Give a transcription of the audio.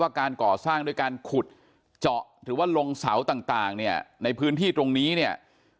การก่อสร้างด้วยการขุดเจาะหรือว่าลงเสาต่างเนี่ยในพื้นที่ตรงนี้เนี่ย